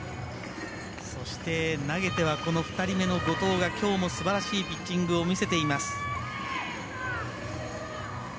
そして、投げては２人目の後藤がきょうもすばらしいピッチングを見せています。